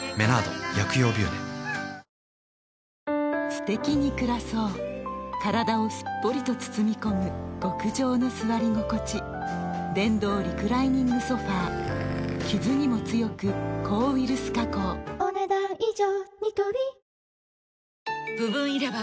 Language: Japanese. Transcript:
すてきに暮らそう体をすっぽりと包み込む極上の座り心地電動リクライニングソファ傷にも強く抗ウイルス加工お、ねだん以上。